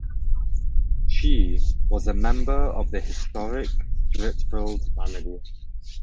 She was a member of the historic Streatfeild family.